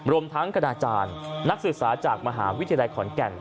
รวมทั้งคณาจารย์นักศึกษาจากมหาวิทยาลัยขอนแก่น